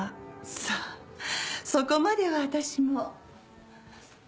さあそこまでは私も。